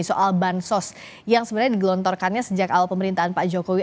soal bansos yang sebenarnya digelontorkannya sejak awal pemerintahan pak jokowi